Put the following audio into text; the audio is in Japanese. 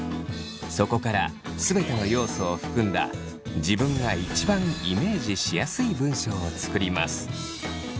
そこから全ての要素を含んだ自分が一番イメージしやすい文章を作ります。